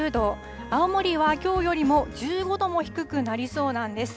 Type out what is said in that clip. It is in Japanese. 青森はきょうよりも１５度も低くなりそうなんです。